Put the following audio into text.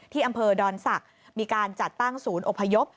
อำเภอดอนศักดิ์มีการจัดตั้งศูนย์อพยพ